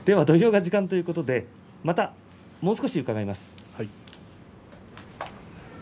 土俵が時間ということでもう少し伺います。